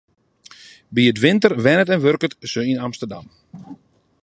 By 't winter wennet en wurket se yn Amsterdam.